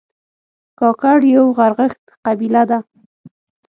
کاکړ یو غرغښت قبیله ده